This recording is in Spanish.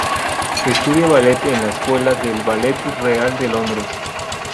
Estudia ballet en la Escuela del Ballet Real de Londres.